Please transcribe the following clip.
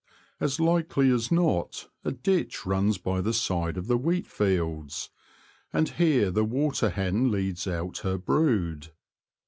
As likely as not a ditch runs by the side of the wheat "\ fields, and here the water hen leads out : her brood.